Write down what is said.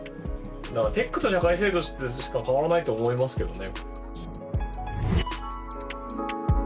テックと社会制度でしか変わらないと思いますけどね。